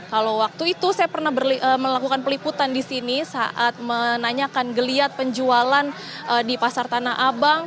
kalau waktu itu saya pernah melakukan peliputan di sini saat menanyakan geliat penjualan di pasar tanah abang